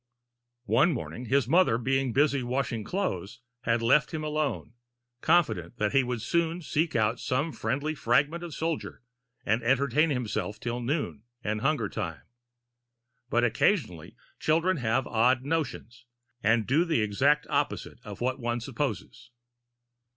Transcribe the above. One morning, his mother, being busy washing clothes, had left him alone, confident that he would soon seek out some friendly fragment of soldier, and entertain himself till noon and hunger time. But occasionally children have odd notions, and do the exact opposite of what one supposes.